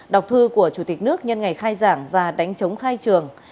đọc thư của chủ tịch nước nhân ngày khai giảng và đánh chống khai trường